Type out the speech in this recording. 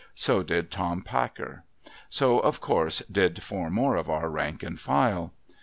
So did Tom Packer. So, of course, did four more of our rank and file.